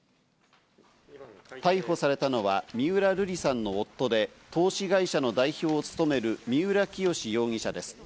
逮捕されたのは三浦瑠麗さんの夫で投資会社の代表を務める三浦清志容疑者です。